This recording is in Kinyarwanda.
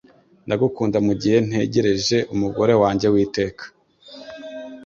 Ndagukunda mugihe ntegereje umugore wanjye w'iteka